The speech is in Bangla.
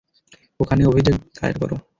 ওখানে অভিযোগ দায়ের করো।